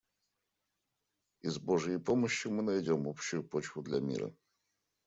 И с божьей помощью мы найдем общую почву для мира.